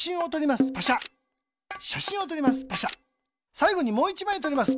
さいごにもう１まいとります。